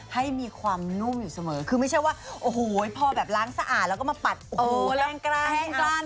ให้มีความนุ่มอยู่เสมอคือไม่ใช่ว่าโอ้โหพอแบบล้างสะอาดแล้วก็มาปัดโอ้โหแห้งกล้าน